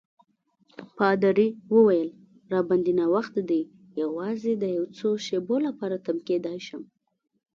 پادري وویل: راباندي ناوخته دی، یوازې د یو څو شېبو لپاره تم کېدای شم.